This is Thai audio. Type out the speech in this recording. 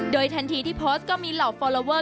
โดยทันทีที่โพสต์ก็มีเหล่าฟอลลอเวอร์